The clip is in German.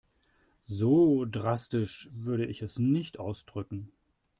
So drastisch würde ich es nicht ausdrücken.